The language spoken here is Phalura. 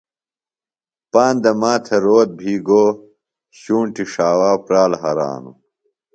پاندہ ماتھےۡ روت بھی گو، شُونٹی ݜاوا پرال ہرانوۡ